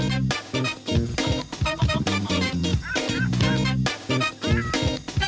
เจอกันใหม่ครับวันนี้เป็นโปรดสวัสดีครับสวัสดีค่ะ